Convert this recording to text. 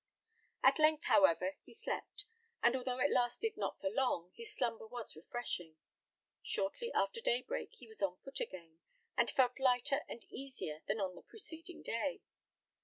At length, however, he slept; and, although it lasted not for long, his slumber was refreshing. Shortly after daybreak he was on foot again, and felt lighter and easier than on the preceding day.